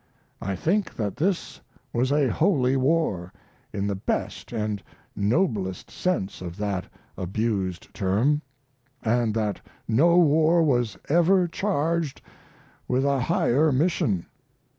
I think that this was a holy war, in the best and noblest sense of that abused term, and that no war was ever charged with a higher mission.